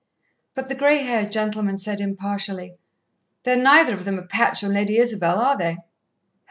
But the grey haired gentleman said impartially: "They are neither of them a patch on Lady Isabel, are they?"